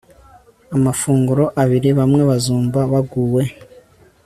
amafunguro abiri Bamwe bazumva baguwe